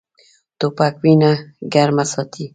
توپک وینه ګرمه ساتي.